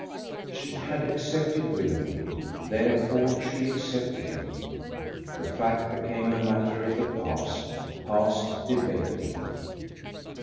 She had accepted Willoughby; therefore she accepted him. The fact became a matter of the past, past debating.